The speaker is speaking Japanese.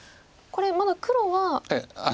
これまだ黒は。